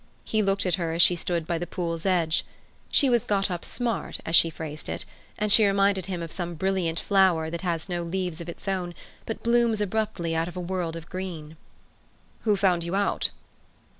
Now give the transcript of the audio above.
He looked at her as she stood by the pool's edge. She was got up smart, as she phrased it, and she reminded him of some brilliant flower that has no leaves of its own, but blooms abruptly out of a world of green. "Who found you out?"